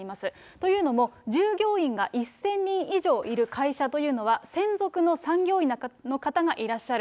というのも、従業員が１０００人以上いる会社というのは、専属の産業医の方がいらっしゃる。